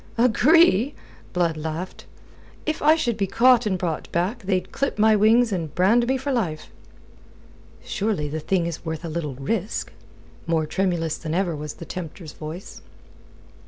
"Agree?" Blood laughed. "If I should be caught and brought back, they'd clip my wings and brand me for life." "Surely the thing is worth a little risk?" More tremulous than ever was the tempter's voice.